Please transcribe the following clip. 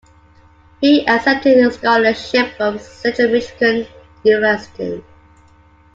He accepted a scholarship from Central Michigan University.